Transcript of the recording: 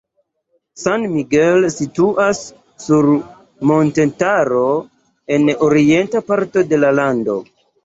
San Miguel situas sur montetaro en orienta parto de la lando.